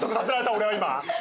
俺は今。